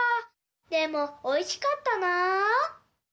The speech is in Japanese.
でもおいしかったなあ！